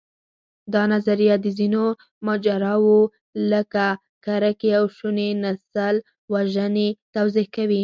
دا نظریه د ځینو ماجراوو، لکه کرکې او شونې نسلوژنې توضیح کوي.